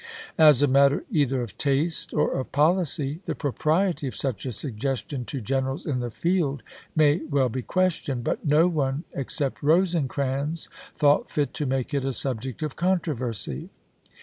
As a matter either of taste or of policy the propriety of such a suggestion to generals in the field may well be questioned, but no one except Rosecrans thought fit to make it a subject of controversy.